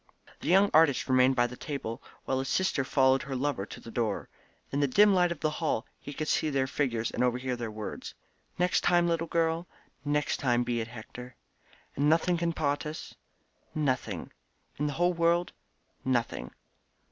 _" The young artist remained by the table, while his sister followed her lover to the door. In the dim light of the hall he could see their figures and overhear their words. "Next time, little girl?" "Next time be it, Hector." "And nothing can part us?" "Nothing." "In the whole world?" "Nothing."